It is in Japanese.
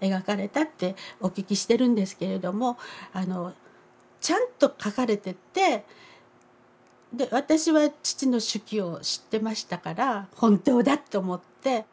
描かれたってお聞きしてるんですけれどもちゃんと書かれてて私は父の手記を知ってましたから本当だと思って。